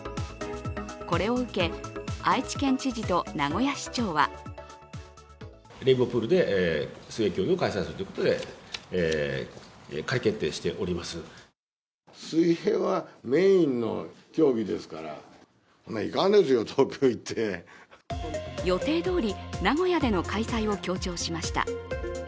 これを受け、愛知県知事と名古屋市長は予定どおり名古屋での開催を強調しました。